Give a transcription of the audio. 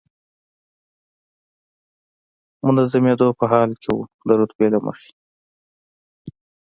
منظمېدو په حال کې و، د رتبې له مخې.